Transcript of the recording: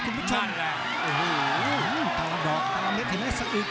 คุณผู้ชมนั่นแหละโอ้โหอื้อตารางดอกตารางเม็ดเห็นไหมสะอึก